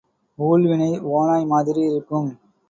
ஊழ்வினை ஓநாய் மாதிரி இருக்கும்.